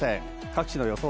各地の予想